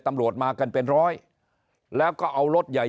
นายกรัฐมนตรีพูดเรื่องการปราบเด็กแว่น